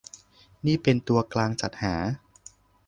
นี่เป็นตัวกลางจัดหา ?